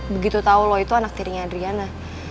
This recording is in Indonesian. begitu tahu lo itu anak tirinya adriana